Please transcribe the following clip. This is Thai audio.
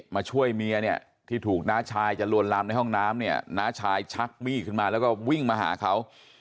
มาช่วยเมียเนี่ยที่ถูกน้าชายจะลวนลามในห้องน้ำเนี่ยน้าชายชักมีดขึ้นมาแล้วก็วิ่งมาหาเขา